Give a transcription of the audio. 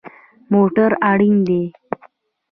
موټر اړین دی